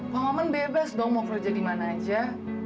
pak maman bebas dong mau kerja di mana aja